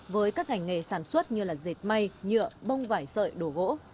với các ngành nghề sản xuất như dệt may nhựa bông vải sợi đồ gỗ